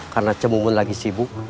karena cemungun lagi sibuk